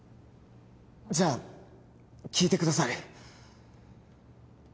じゃあ聞いてください